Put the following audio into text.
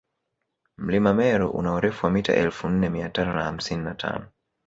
mlima meru una urefu wa mita elfu nne miatano na hamsini na tano